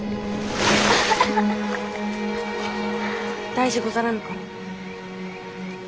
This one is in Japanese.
大事ござらぬか？